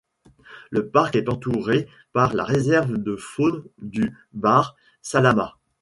Le parc est entouré par la Réserve de faune du Bahr Salamat.